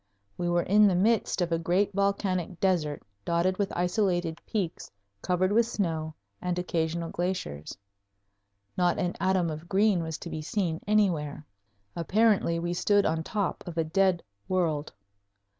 We were in the midst of a great volcanic desert dotted with isolated peaks covered with snow and occasional glaciers. Not an atom of green was to be seen anywhere. Apparently we stood on top of a dead world.